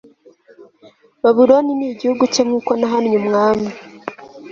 babuloni n igihugu cye nk uko nahannye umwami